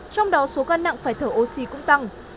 trong đó số ca nặng phải thở oxy cũng tăng